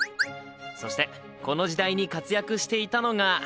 そしてこの時代に活躍していたのが。